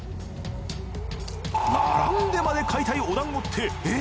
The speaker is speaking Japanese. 並んでまで買いたいお団子ってえっ